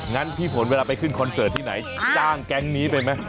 งั้นพี่ฝนเวลาไปขึ้นคอนเสิร์ตที่ไหนจ้างแก๊งนี้ไปไหม